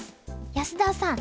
安田さん